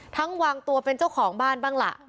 วางตัวเป็นเจ้าของบ้านบ้างล่ะ